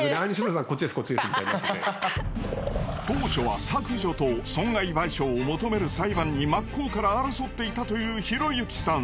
当初は削除と損害賠償を求める裁判に真っ向から争っていたというひろゆきさん。